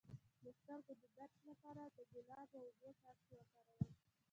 د سترګو د درد لپاره د ګلاب او اوبو څاڅکي وکاروئ